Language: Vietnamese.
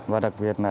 và đặc biệt là